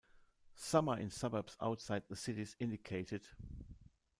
Some are in suburbs outside the cities indicated.